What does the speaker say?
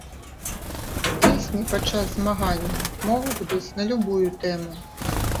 Песні падчас змагання могуць быць на любую тэму.